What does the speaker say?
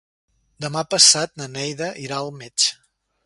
Demà passat na Neida irà al metge.